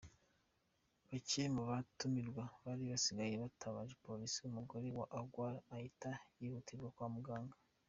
Bake mu batumirwa bari basigaye batabaje polisi, umugore wa Ogwang ahita yihutanwa kwa muganga.